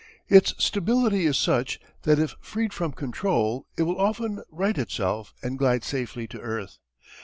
Its stability is such that if freed from control it will often right itself and glide safely to earth.